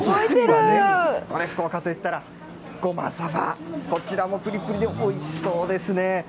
これ、福岡といったらごまさば、こちらもぷりぷりでおいしそうですね。